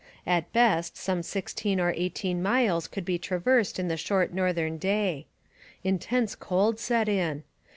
At best some sixteen or eighteen miles could be traversed in the short northern day. Intense cold set in.